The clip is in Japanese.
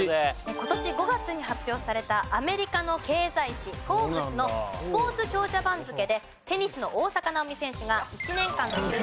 今年５月に発表されたアメリカの経済誌『フォーブス』のスポーツ長者番付でテニスの大坂なおみ選手が１年間の収入